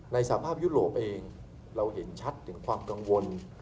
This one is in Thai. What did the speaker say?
สภาพยุโรปเองเราเห็นชัดถึงความกังวล